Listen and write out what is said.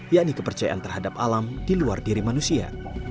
yakni kepercayaan terhadap alam di luar diri manusia